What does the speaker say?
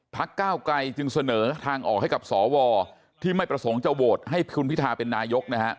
ก้าวไกลจึงเสนอทางออกให้กับสวที่ไม่ประสงค์จะโหวตให้คุณพิทาเป็นนายกนะฮะ